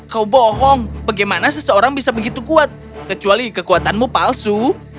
kau bohong bagaimana seseorang bisa begitu kuat kecuali kekuatanmu palsu